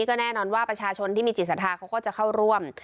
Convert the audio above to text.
ก็แน่นอนว่าประชาชนที่มีจิตศรัทธาเขาก็จะเข้าร่วม